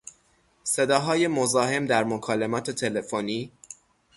صداهای مزاحم در مکالمات تلفنی